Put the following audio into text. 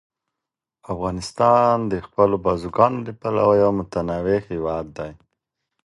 افغانستان د خپلو بزګانو له پلوه یو متنوع هېواد دی.